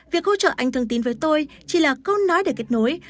việc hỗ trợ anh thương tín với tôi chỉ là câu nói để kết nối